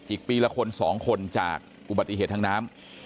อีกปีละคน๒คนจากอุบัติเหตุทางน้ำ